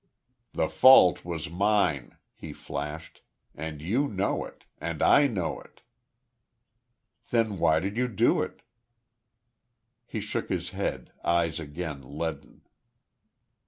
"The fault was mine," he flashed. "And you know it; and I know it." "Then why did you do it?" He shook his head, eyes again leaden.